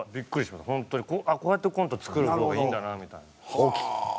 こうやってコント作る方がいいんだなみたいな。